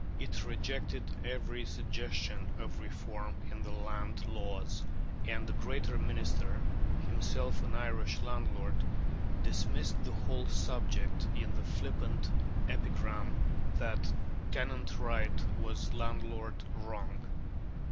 It rejected every suggestion of reform in the Land laws; and a great Minister, himself an Irish landlord, dismissed the whole subject in the flippant epigram that "tenant right was landlord wrong."